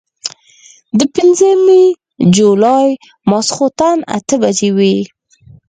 د پنځمې جولايې ماسخوتن اتۀ بجې وې